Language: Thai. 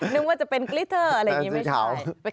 นึกว่าจะเป็นกลิเตอร์อะไรอย่างนี้ไม่ใช่